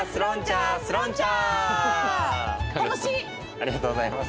ありがとうございます。